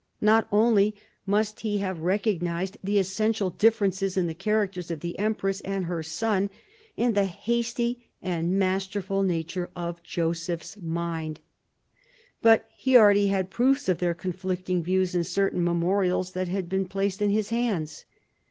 Not only must he have recognised the essential differences in the characters of the empress and her son, and the hasty and masterful nature of Joseph's mind, but he already had proofs of their conflicting views in certain memorials that had been placed in his hands.